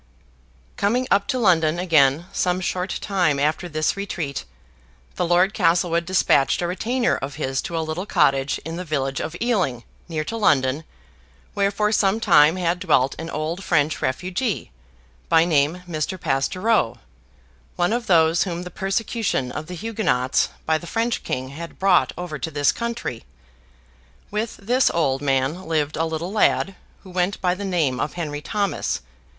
Coming up to London again some short time after this retreat, the Lord Castlewood despatched a retainer of his to a little Cottage in the village of Ealing, near to London, where for some time had dwelt an old French refugee, by name Mr. Pastoureau, one of those whom the persecution of the Huguenots by the French king had brought over to this country. With this old man lived a little lad, who went by the name of Henry Thomas.